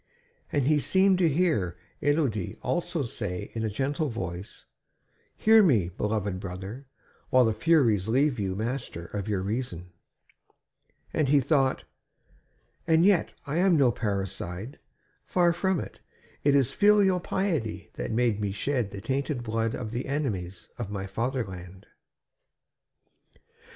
And he seemed to hear Élodie also saying in a gentle voice: "Hear me, beloved brother, while the Furies leave you master of your reason ..." And he thought: "And yet I am no parricide. Far from it, it is filial piety has made me shed the tainted blood of the enemies of my fatherland."